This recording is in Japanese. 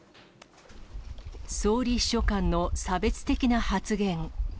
総理秘書官の差別的な発言。